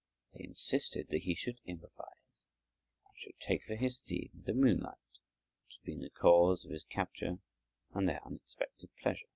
They insisted that he should improvise and should take for his theme the moonlight which had been the cause of his capture and their unexpected pleasure.